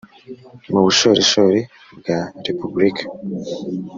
mu bushorishori bwa repubulika,